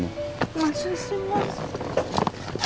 masus sih mas